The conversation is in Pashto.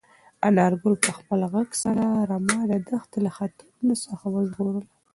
انارګل په خپل غږ سره رمه د دښتې له خطرونو څخه وژغورله.